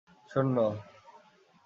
শূন্য